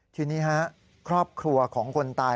ทีนี้ครอบครัวของคนตาย